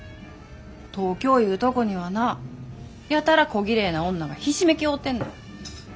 東京いうとこにはなやたらこぎれいな女がひしめき合うてんねん。